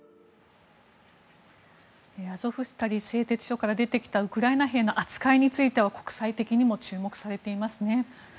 アゾフスタリ製鉄所から出てきたウクライナ兵の扱いについては国際的にも注目されていますね。